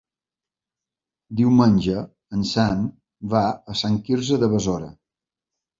Diumenge en Sam va a Sant Quirze de Besora.